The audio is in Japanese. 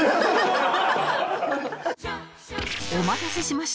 お待たせしました